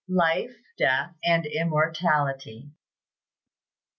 LIFE, DEATH, AND IMMORTALITY.